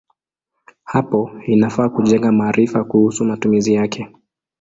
Hapo inafaa kujenga maarifa kuhusu matumizi yake.